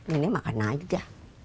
ini makan aja